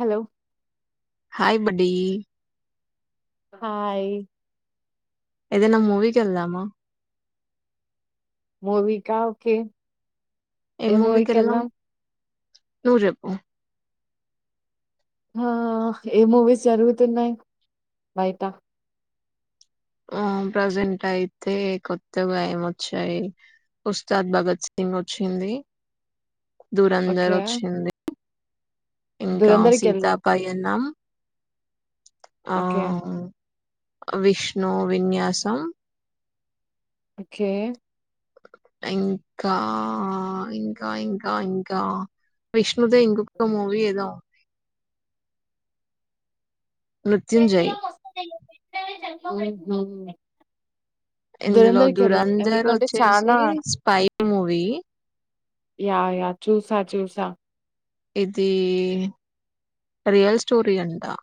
Hello hi buddy hi ఏదైనా మూవకి వెళ్దమా మూవిక ఓకే ఏ ఏం మూవికి మూవీకెళ్దాం? వెళ్దాం నువ్వు చెప్పు హా ఏ మూవీస్ జరుగుతున్నాయి బయట ఆ ప్రజెంట్ అయితే కొత్తగా ఏంవచ్చాయి ఉస్తాద్ భగత్ సింగ్ వచ్చింది ఓకే. ధూరంధర్ వచ్చింది ఇంకా సీతా 'దురంధర్'కెళ్దాం. పయనం ఆ ఓకే. విష్ణు విన్యాసం ఓకే ఇంకా ఇంకా ఇంకా ఇంకా విష్ దో ఇంకొక మూవీ ఏదో ఉంది మృత్యుంజయ్ ఉహు ఇందులో దూరంధర్ చానా వచ్చేసి స్పైపై మూవీ యా యా చూసా చూసా ఇది రియల్ స్టోరీ అందా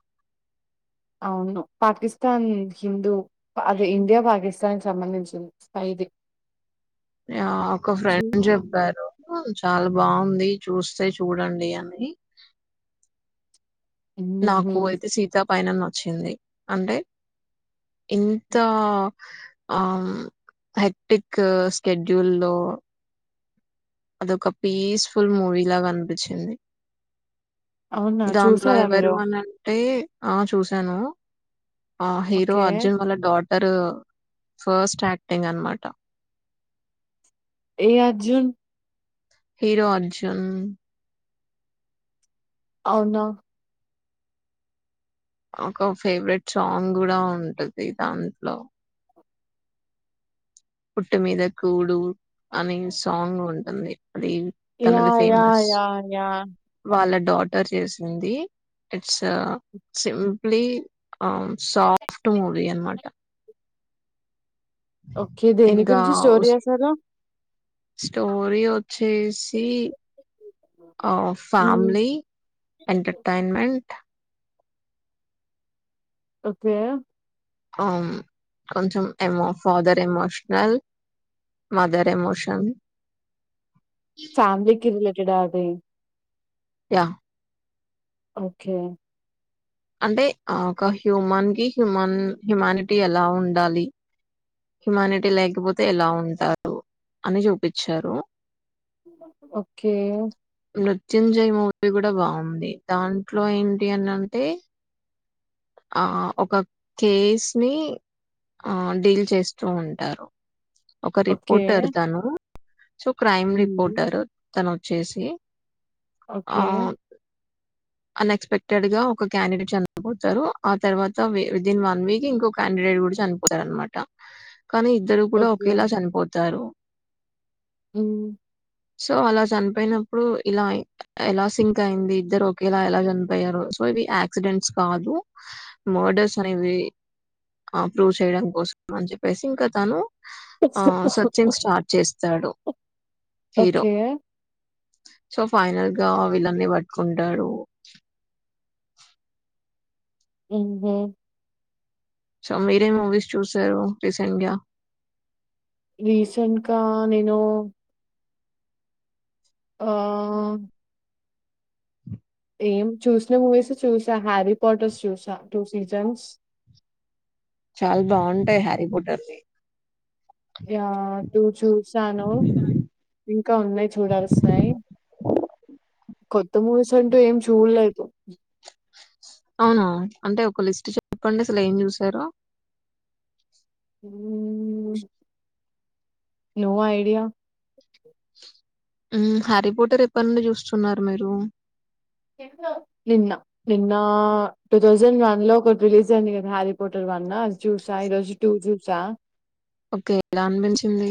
అవును పాకిస్తాన్ హిందూ అదే ఇండియా పాకిస్తాన్ సంబంధించింది ఆ ఒక ఫ్రెండ్ చూసా. చెప్పారు చాలా బాగుంది చూస్తే చూడండి అని హుహు. నాకు అయితే సీతా పైనం నచ్చింది అంటే ఎంత ఆ హెక్టిక్ స్కెడ్యూల్ లో అదొక పీస్ఫుల్ మూవీలాగా కనిపించింది అవునా? దాంట్లో చూసారా ఎవరు మీరు? అను అంటే ఆ చూశాను ఆ హీరో ఓకే. అర్జున్ వల్ల డాట్ గారు ఫస్ట్ యాక్టింగ్ అనమాట ఏ అర్జన్ హీరో అర్జున్ అవునా ఒక ఫేవరెట్ సాంగ్ కూడా ఉంటది దాంట్లో పుట్టు మీద కూడు అని సాంగ్ ఉంటుంది అది తనది yeah! Yeah! Famous yeah! Yeah! వాళ్ళ డాటర్ చేసింది ఇట్స్ సింప్లీ ఆ సాఫట్ మూవి అనమాటం ఓకే దేని ఇంకా గురించి స్టోర్ చేసారా స్టోరీ వచ్చేసి హ్మ్. ఫ్యామిలీ ఎంటర్టైన్మెంట్ ఓకే కొంచెం ఎమో ఫాదర్ ఎమోషనల్ మదర్ ప్రమోషన్ ఫ్యామిలీకి రిలేటెడ్ అభయి యా ఓకే అంటే హ్యూమన్ కి హ్యూమన్ హ్యూమానిటీ ఎలా ఉండాలి హ్యుమానిటీ లేకపోతే ఎలా ఉంటారు అని చూపించారు ఓకే నృత్యంజయ్ మూవీ కూడా బాగుంది దాంట్లో ఏంటి అని అంటే ఆ ఒక కేసు ని ఆ డీల్ చేస్తూ ఉంటారు ఒక ఓకే. రిపోర్టర్ తాను సో క్రైమ్ హ్మ్. రిపోర్టర్ తన వచ్చేసి ఓకే అన్ఎక్స్పెక్టెడ్ గా ఒక క్యాండిడేట్ అందబంది తారు ఆ తర్వాత విదిన్ వన్ వీక్ ఇంకో క్యాండేట్ కూడా చనిపోతారు అనమాట కానీ ఇద్దరు కూడా ఓకే. ఒకేలా చనిపోతారు హ్మ్మ్ సో అలా చనిపోయినప్పుడు ఇలా ఎలా సింక్ అయింది ఇద్దరు ఒకేలా ఎలా చనిపోయారు సో వి యాక్సిడెంట్స్ కాదు మర్డర్స్ అనేవి ఆ ప్రూవ్ చేయడం కోసం అని చెప్పేసి ఇంకా తను ఆ సతంగ్ స్టార్ట్ చేస్త చడు ఓకే సో ఫైనల్ గా వీళ్ళన్ని పట్టుకుంటాడు అ సో మీరే మూవీస్ చూశారు రీసెంట్గా రీసెంట్ గా నేను ఆ ఏం చూసిన మూవీస్ చూసా హ్యారీ క్వాటర్స్ చూసా టూ సీజన్స్ చాలా బాగుంటాయి హరి బుట్ట సి య టూ చూసాను ఇంకా ఉన్నాయి చూడాల్సన్నాయి [inaudible] కొత్త మూవీస్ అంటూ ఏం చూడలేదు అవును అంటే ఒక లిస్ట్ చెప్పండి అసలు ఏం చూసారు ను ఐడియా హరిపోటర్ ఎప్పటి నుండి చూస్తున్నారు మీరు నిన్న నిన్న టూ థౌసండ్ వన్ లో ఒక రిలీజ్ అ కదా హారీ పోటర్ అన్నా చూసా ఈరోజు టూ చూసా ఓకే ఎలా అనిపించింది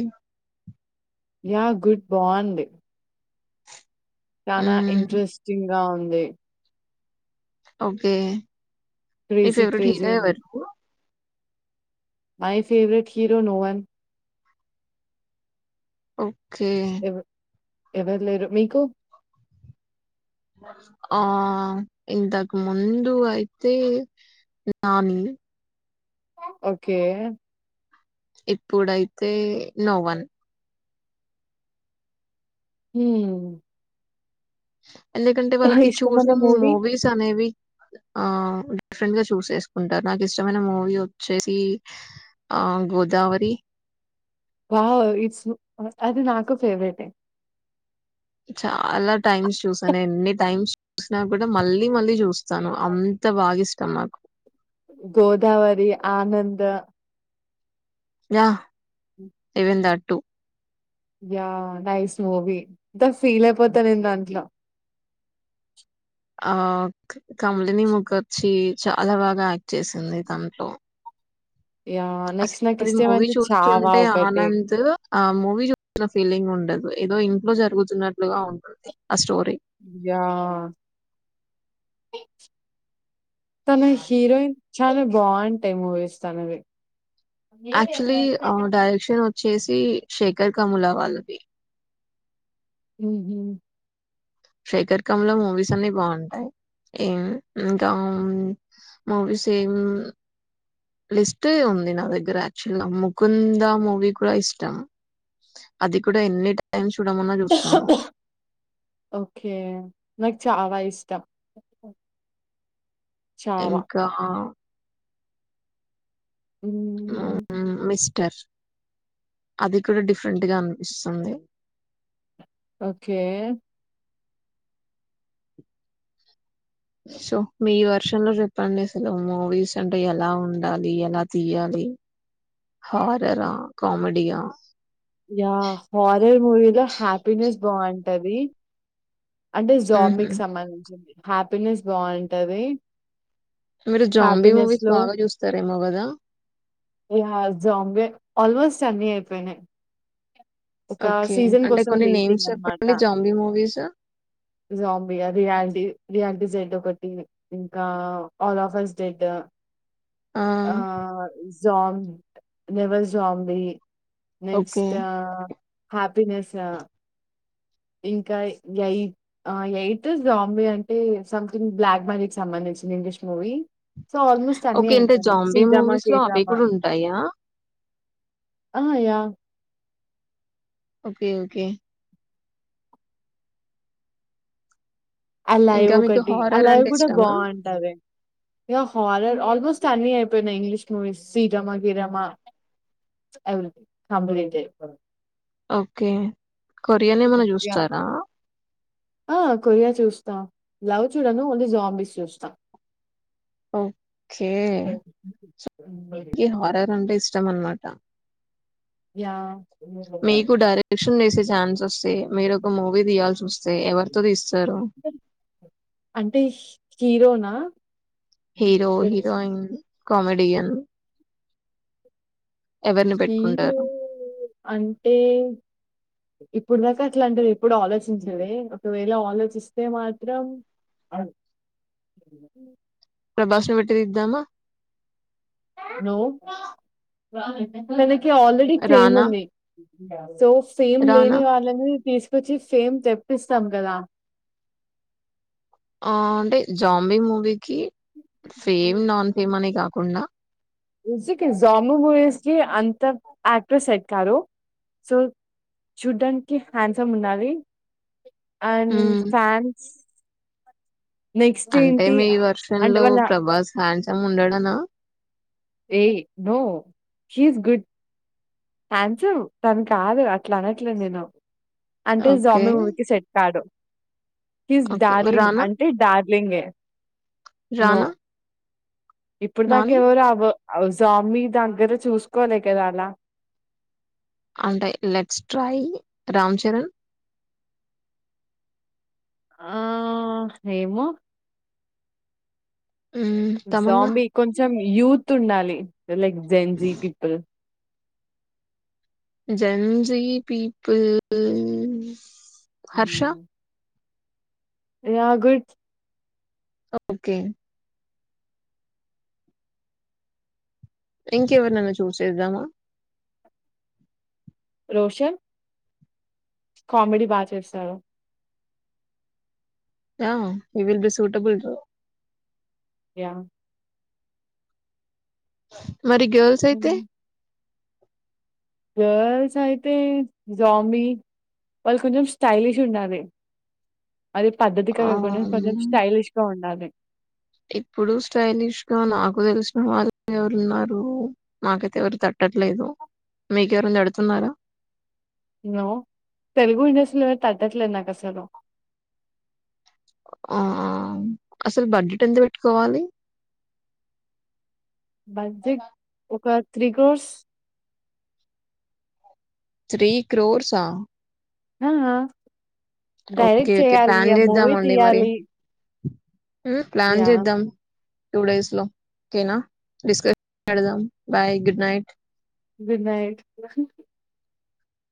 యా గుడ్ బావుంది చాలా మ్మ్, ఇంట్రెస్టింగ్ గా ఉంది ఓకే మీ క్రేజీ ఫవరెట్ క్రేజీ హీరో ఉంది ఎవరు my favourite hero no one okay ఎవరు లేరు మీకు ఆ ఇంతకు ముందు అయితే నానీ ఓకే ఇప్పుడైతే నోవన్ హ ఎందుకంటే వాళ్ళకి ఇష్టమైన చూసింగ్ మూవీ మూవీస్ అనేవి ఆ డిఫరెంట్ గా చూస్ చేసుకుంటారు నాకు ఇష్టమైన మూవీ వచ్చేసి ఆ గో గోదావరి వావ్ ఇట్స్ గుడ్ అది నాకు ఫేవరెట్ ఏ చాలా టైమ్స్ చూసాను ఎన్ని టైమ్స్ చూసినా కూడా మళ్ళీ మళ్ళీ చూస్తాను అంత బా బాగా ఇష్టం నాకు Godavari Anand yeah even the to yeah nice movie ఇంత ఫీల్ అయిపోతాయి నేను దాంట్లో ఆ కమలిని ముఖర్జి చాలా బాగా యాక్ట్ చేసింది దాంట్లో యా అసలు నెక్స్ట్ నాకు అది మూవీ ఇష్టమైంది చావా చూస్తుంటే ఒకటే ఆనంద్ ఆ మూవీ చూసిన ఫీలింగ్ ఉండదు ఏదో ఇంట్లో జరుగుతున్నట్లుగా ఉంటుంది ఆ స్టోరీ తను హరోయిన్ చాలా బాగుంటాయి మూవీస్ తనవి యాక్చువలీ డైరెక్షన్ వచ్చేసి శేఖర్ కమలా వాళ్ళది హ శేఖర్ కమ్ముల మూవీస్ అన్ని బాగుంటాయి ఏ ఇంకా మూవీ ఏం లిస్ట్ ఉంది నా దగ్గర యాక్చువల్గా ముకుంద మూవీ కూడా ఇష్టం అది కూడా ఎన్ని టైమ్స్ చూడమన్నా చూస్తాను. ఓకే లైక్ చాలా ఇష్టం చావా. ఇంకా హ్మ్. మిస్ టర్ అది కూడా డిఫరెంట్ గా అనిపిస్తుంది ఓకే సో మీ వర్షన్ లో జెప్పండి అసలు మూవీస్ అంటే ఎలా ఉండాలి ఎలా తీయాలి. హార్రరా కామెడీయా యా హార్రర్ మూవీలో హ్యాపీనెస్ బాగుంటది అంటే హుహు. జాంబ్కి సంబంధించింది హ్యాపీనెస్ బాగుంటది మీరు జాంబీ మూవీస్ బాగా చూస్తారేమో గదా ఏ జాంబే ఆల్మోస్ట్ అన్ని అయిపోయినయ్ ఒక ఓకే. సీజన్ అంటే కోసం కొన్ని నేమ్స్ వెయిటింగ్ అన్నమాట చెప్పండి జాంబీ మూవీస్. జాంబి అది రియాలిటీ రియాలిటీ డెడ్ ఒకటి ఇంకా ఆల్ ఆఫర్స్ డెడ్ ఆ జాం నెవల్ జాంబి ఓకే. నెక్స్ట్ హ్యాపీనెస్ ఇంకా ఎయిట్ ఎయిట్ బాంబే అంటే సంథింగ్ బ్లాక్ మనీ కి సంబంధించి ఇంగ్లీష్ మూవీ సో ఆల్మోస్ట్ అన్నీ ఓకే. అంటే అయిపోయినయ్ జాంబీ సీడ్రామా మూవీస్‌లో అవి కేడ్రామా కూడా ఉంటాయా? ఆ యా ఓకే ఓకే అలైవ్ ఇంకా మీకు ఒకటి హారర్ అలైవ్ అంటే కూడా ఇష్టమా? బాగుంటంది ఇగ హర్రర్ ఆల్మోస్ట్ అన్ని అయిపోయినాయి ఇంగ్లీష్ మూవీస్ సీడ్రామా గీరామా ఎవ్రీథింగ్ కంప్లీటేడ్ ఓకే కొరియన్ ఏమైనా చూస్తారా? ఆ కొరియా చూస్త లవ్ చూడను ఓన్లీ జాంబీస్ చూస్తా ఓకే సో హార్రర్ అంటే ఇష్టం ఇష్టం అన్నమాట యాహ్! మీకు డైరెక్షన్ చేసే ఛాన్స్ వస్తే మీరు ఒక మూవీ తీయాల్సి వ స్తే ఎవరితో దీస్తారు అంటే హీరోనా హీరో హీరోయిన్ కమెడియన్ హీరో పెట్టుకుంటారు? అంటే ఇప్పుడు దాకా అట్లాంటిది ఎప్పుడు ఆలోచించలే ఒకవేళ ఆలోచిస్తే మాత్రం ఆగండి ప్రభాస్ ని బెట్టిదిద్దామా నో ఆల్రెడీ ఫేమ్ రానా? ఉంది సో ఫేమ్ రానా లేని వాళ్ళను తీస్ కొచ్చి ఫేమ్ తెప్పిస్తాం కదా ఆ అంటే జాంబీ మూవీకి ఫేమ్ నాన్ ఫేమ్ అనే కాకుండా జాంబీ మూవీస్ కి అంత యాక్టర్ సెట్ కారు సో చూడ్డానికి హ్యాండ్సమ్ ఉండాలి అండ్ హ్మ్. ఫ్యాన్స్ నెక్స్ట్ అంటే ఏంటి మీ వర్షన్ అంటే లో వాళ్ళ ప్రభాస్ హ్యాండ్సమ్ ఉండడానా ఏ no he is good handsome తను కాదు అట్లా అనట్లే నేను అంటే ఓకే. జాంబీ మూవీకి సెట్ కాడు హి ఇస్ ఓకే. మరి డార్లింగ్ 'రానా', అంటే డార్లింగే రానా ఇప్పుడు దాకా 'నాని' ఎవరు అవ జాంబీ దగ్గర చూసుకోవాలి కదా అలా అంటే లెట్స్ ట్రై రామ్ చరణ్ ఆ ఏమో హ్మ్, 'తమన్నా', జాంబీ కొంచెం యూత్ ఉండాలి like Gen Z people Gen Z people హ 'హర్ష'. [inaudible] యా గుడ్ ఓకే ఇంకెవరినైనా చూస్ చేద్దామా రోషన్ కామెడీ బాగా చేస్తారు ఆ he will be suitable yeah మరి గర్ల్స్ అయితే హ్మ్. గర్ల్స్ అయితే జాంబి వాళ్ళు కొంచెం స్టైలిష్ ఉండాలి అది పద్ధతి కాకుండా కొంచెం ఆహ్ స్టైలిష్ గా ఉండాలి ఇప్పుడు స్టైలిష్ గా నాకు తెలిసిన వాళ్ళు ఎవరు ఉన్నారు నాకైతే ఎవరు తట్ట తట్టలేదు మీ కేవరైనా తడుతున్నారా హలో తెలుగు ఇండస్ట్రీలోనే తట్టట్లేదు నాకసలు ఆ అసలు బడ్జెట్ ఎంత పెట్టుకోవాలి బడ్జెట్ ఒక త్రి క్రోర్స్ త్రీ క్రోర్ససా ఆ ఆ ఓకే. Direct okay. చెయాలి ప్లాన్ ఆ మూవీ చేద్దామండి మరి. తీయాలి ప్లాన్ యాహ్! చేద్దాం టూ డేస్ లో ఓకేనా డిస్కస్ పెడదాం bye good night good night